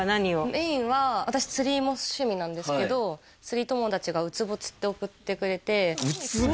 メインは私釣りも趣味なんですけど釣り友達がウツボ釣って送ってくれてウツボ？